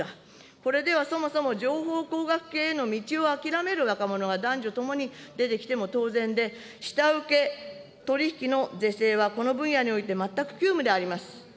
これではそもそも情報工学系への道を諦める若者が、男女ともに出てきても当然で、下請け取り引きの是正はこの分野において全く急務であります。